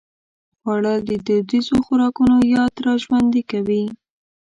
خوړل د دودیزو خوراکونو یاد راژوندي کوي